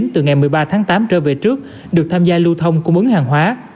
từ ngày một mươi ba tháng tám trở về trước được tham gia lưu thông cung ứng hàng hóa